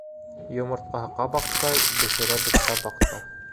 Йомортҡаһы — ҡабаҡтай, Бешерәбеҙ табаҡта.